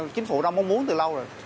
chính phủ đã mua